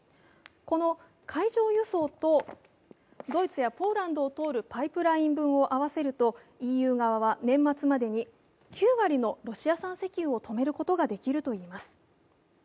この海上輸送とドイツやポーランドを通るパイプライン分を合わせるとＥＵ側は年末までに９割のロシア産石油を止めることができるといいます。